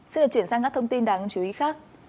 xin được chuyển sang các thông tin đáng chú ý khác